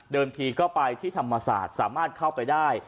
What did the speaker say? ทีก็ไปที่ธรรมศาสตร์สามารถเข้าไปได้